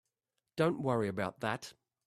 Don't worry about that.